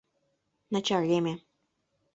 Начареме.